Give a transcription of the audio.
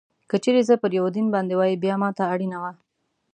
که چېرې زه پر یوه دین باندې وای، بیا ما ته اړینه وه.